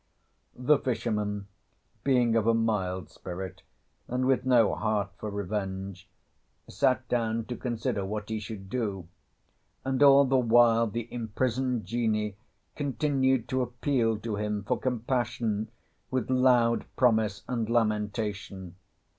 The fisherman, being of a mild spirit and with no heart for revenge, sat down to consider what he should do, and all the while the imprisoned Genie continued to appeal to him for compassion with loud promise and lamentation.